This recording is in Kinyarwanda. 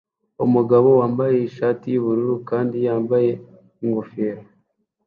Umugabo wambaye ishati yubururu kandi yambaye ingofero